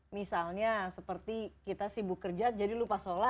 misalnya seperti kita sibuk kerja jadi lupa sholat